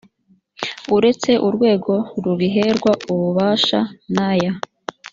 uretse urwego rubiherwa ububasha n aya